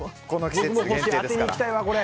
この季節限定ですから。